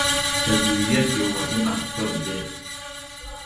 بدویت یو مهم عنصر دی.